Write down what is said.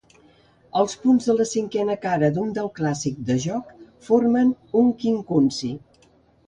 Els punts de la cinquena cara d'un dau clàssic de joc formen un quincunci.